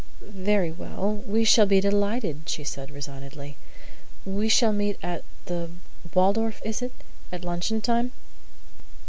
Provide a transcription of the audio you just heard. "Very well, we shall be delighted," she said, resignedly. "Shall we meet at the Waldorf is it? at luncheon time?"